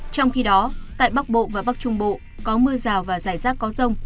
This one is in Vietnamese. trong khi đó tại bắc bộ và bắc trung bộ có mưa rào và rải rác có rông